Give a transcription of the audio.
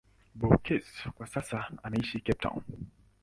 Beukes kwa sasa anaishi Cape Town.